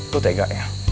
lo tega ya